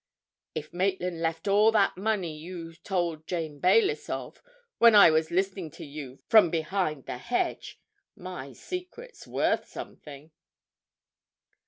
If Maitland left all that money you told Jane Baylis of, when I was listening to you from behind the hedge, my secret's worth something."